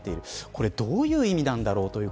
これどういう意味なんだろう。